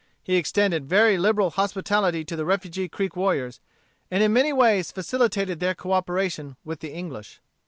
He extended very liberal hospitality to the refugee Creek warriors, and in many ways facilitated their cooperation with the English.